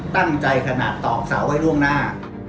ตั้งใจขนาดตอกเสาให้ร่วงหน้า